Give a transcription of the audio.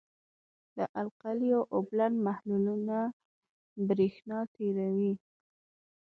د القلیو اوبلن محلولونه برېښنا تیروي.